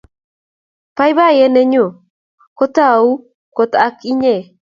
baibaiet nenyun ko a tau kot ak inyen